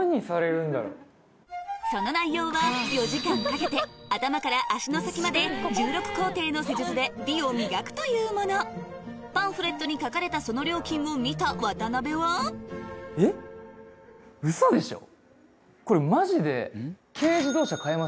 その内容は４時間かけて頭から足の先まで１６工程の施術で美を磨くというものパンフレットに書かれたその料金を見た渡辺はこれマジで。